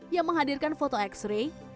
yang menghadirkan foto x ray